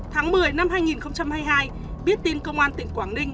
tháng một mươi năm hai nghìn hai mươi hai biết tin công an tỉnh quảng ninh